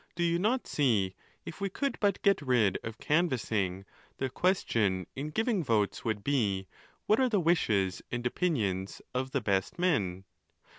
ATO do you not see if we could but get rid of canvassing, the ques tion in giving votes would be, what are the wishes i opinions of the best men?